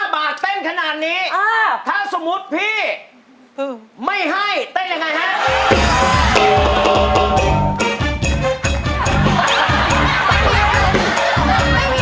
๕บาทเต้นขนาดนี้ถ้าสมมุติพี่ไม่ให้เต้นยังไงฮะ